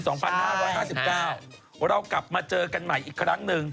เรากลับมาเจอกันใหม่อีกครั้งหนึ่ง